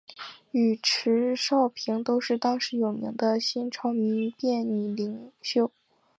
与迟昭平都是当时有名的新朝民变女领袖。